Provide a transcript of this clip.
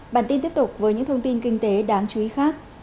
bản tin tiếp tục với những thông tin kinh tế đáng chú ý khác